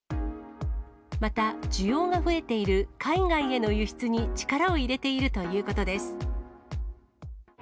また、需要が増えている海外への輸出に力を入れているということです。